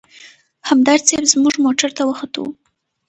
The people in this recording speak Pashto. همدرد صیب زموږ موټر ته وختو.